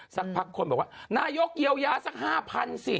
สักพักคนบอกว่านายกเยียวยาสัก๕๐๐สิ